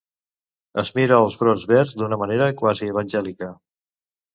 Es mira els brots verds d'una manera quasi evangèlica.